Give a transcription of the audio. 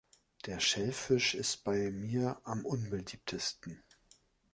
Der Schellfisch ist bei mir am unbeliebtesten.